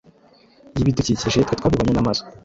y’ibidukikije, twe twabibonye n’amaso.